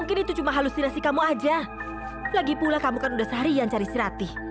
kasih tahu aku kamu ada di mana rati